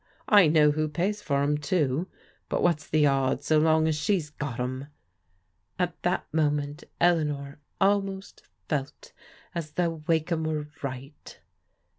I know who pays for 'em, too. But what's the odds so long as she's got 'em ?" At that moment Eleanor almost felt as though Wakeham were right.